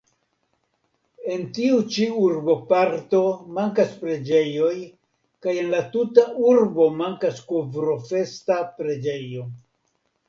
En tiu ĉi urboparto mankas preĝejoj kaj en la tuta urbo mankas Kovrofesta preĝejo.